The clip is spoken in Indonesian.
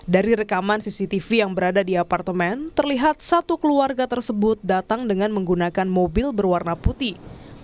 dari rekaman cctv yang berada di apartemen terlihat satu keluarga tersebut datang dengan menggunakan mobil berwarna putih